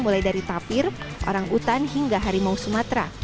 mulai dari tapir orang utan hingga harimau sumatera